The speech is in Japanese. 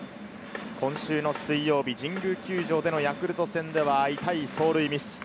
今週の水曜日、神宮球場でのヤクルト戦では痛い走塁ミス。